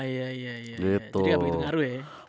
jadi gak begitu ngaruh ya